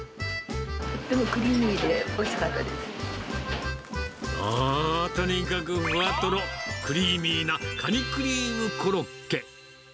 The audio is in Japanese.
とってもクリーミーでおいしあー、とにかくふわとろ、クリーミーなカニクリームコロッケ。